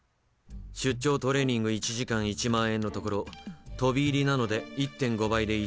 出張トレーニング１時間１万円のところ飛び入りなので１．５倍で１万５，０００円。